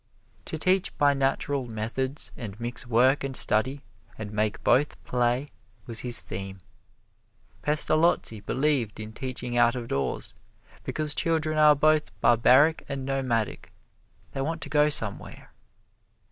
To teach by natural methods and mix work and study, and make both play, was his theme. Pestalozzi believed in teaching out of doors, because children are both barbaric and nomadic they want to go somewhere.